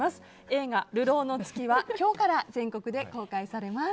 映画「流浪の月」は今日から全国で公開されます。